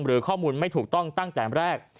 หรือข้อมูลไม่ถูกต้องตั้งแต่แรก